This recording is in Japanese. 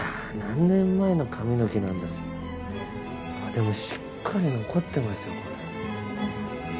でもしっかり残ってますよこれ。